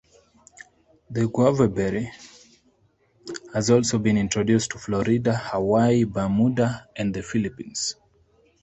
The guavaberry has also been introduced to Florida, Hawaii, Bermuda, and the Philippines.